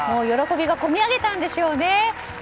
喜びが込み上げたんでしょうね。